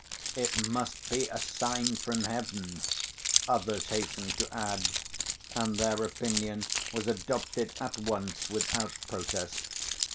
"It must be a sign from heaven," others hastened to add, and their opinion was adopted at once without protest.